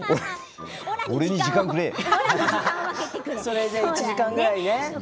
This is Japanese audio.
それで１時間ぐらいね。